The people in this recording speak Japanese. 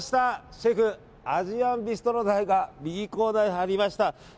シェフ、アジアンビストロダイが右コーナーに入りました。